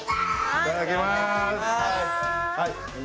いただきます。